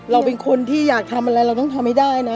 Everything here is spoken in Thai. เราเป็นคนที่อยากทำอะไรเราต้องทำให้ได้นะ